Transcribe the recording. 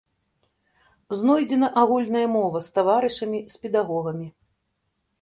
Знойдзена агульная мова з таварышамі, з педагогамі.